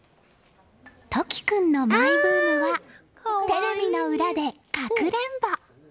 旬君のマイブームはテレビの裏でかくれんぼ。